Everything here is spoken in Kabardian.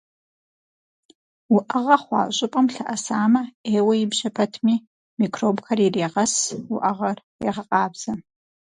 Уӏэгъэ хъуа щӏыпӏэм лъэӏэсамэ, ӏейуэ ибжьэ пэтми, микробхэр ирегъэс, уӏэгъэр егъэкъабзэ.